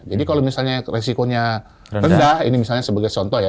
jadi kalau misalnya risikonya rendah ini misalnya sebagai contoh ya